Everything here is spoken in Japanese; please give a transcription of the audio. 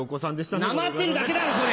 なまってるだけだよそれ！